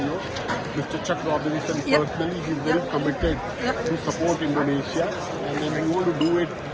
dan kami ingin melakukannya bersama